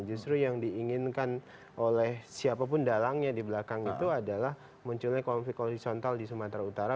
justru yang diinginkan oleh siapapun dalangnya di belakang itu adalah munculnya konflik horizontal di sumatera utara